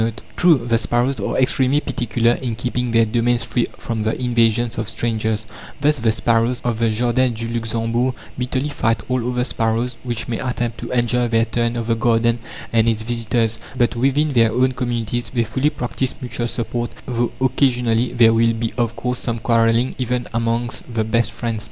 "(17) True, the sparrows are extremely particular in keeping their domains free from the invasions of strangers; thus the sparrows of the Jardin du Luxembourg bitterly fight all other sparrows which may attempt to enjoy their turn of the garden and its visitors; but within their own communities they fully practise mutual support, though occasionally there will be of course some quarrelling even amongst the best friends.